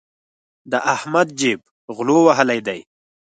د احمد جېب غلو وهلی دی.